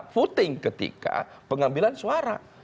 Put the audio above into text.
footing ketika pengambilan suara